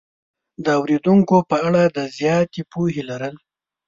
د اورېدونکو په اړه د زیاتې پوهې لرل